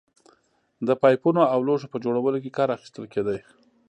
د پایپونو او لوښو په جوړولو کې کار اخیستل کېده